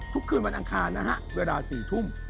คืนวันอังคารนะฮะเวลา๔ทุ่ม